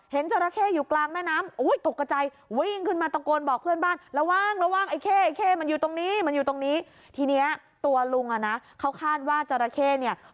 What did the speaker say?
เห็นจอละเข้อยู่กลางแม่น้ำอุ๊ยตกกระจาย